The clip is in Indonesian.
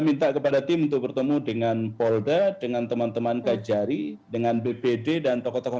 minta kepada tim untuk bertemu dengan polda dengan teman teman kajari dengan bpd dan tokoh tokoh